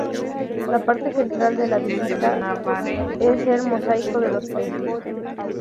La parte central de la visita es el "mosaico de los peces".